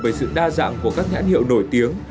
về sự đa dạng của các nhãn hiệu nổi tiếng